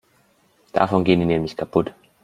Davon gehen die nämlich kaputt.